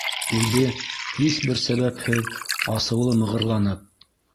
Үҙе, һис бер сәбәпһеҙ, асыулы мығырланып: